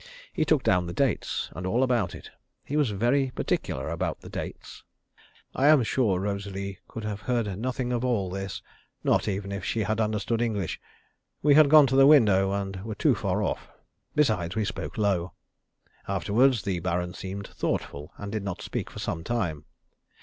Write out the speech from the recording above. He took down the dates, and all about it. He was very particular about the dates. I am sure Rosalie could have heard nothing of all this; not even if she had understood English. We had gone to the window, and were too far off. Besides, we spoke low. Afterwards the Baron seemed thoughtful, and did not speak for some time.